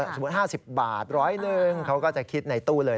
สมมุติ๕๐บาท๑๐๐นึงเขาก็จะคิดในตู้เลย